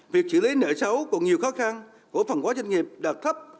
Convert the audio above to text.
việc xử lý nợ xấu còn nhiều khó khăn của phần quá doanh nghiệp đạt thấp